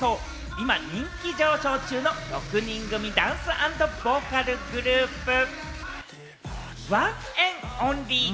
今人気上昇中の６人組ダンス＆ボーカルグループ、ＯＮＥＮ’ＯＮＬＹ。